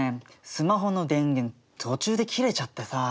スマホの電源途中で切れちゃってさ。